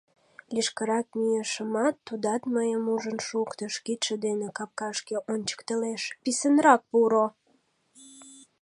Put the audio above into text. Лишкырак мийышымат, тудат мыйым ужын шуктыш, кидше дене капкашке ончыктылеш: писынрак пуро!